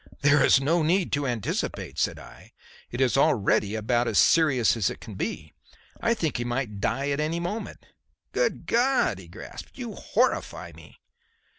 "There is no need to anticipate," said I. "It is already about as serious as it can be. I think he might die at any moment." "Good God!" he gasped. "You horrify me!"